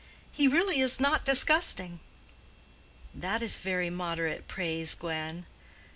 He really is not disgusting." "That is very moderate praise, Gwen."